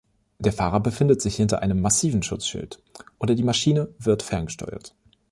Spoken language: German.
Der Fahrer befindet sich hinter einem massiven Schutzschild, oder die Maschine wird ferngesteuert.